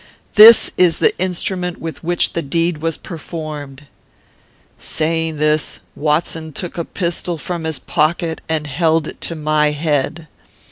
This is the instrument with which the deed was performed.' "Saying this, Watson took a pistol from his pocket, and held it to my head.